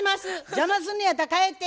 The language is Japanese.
邪魔すんのやったら帰って。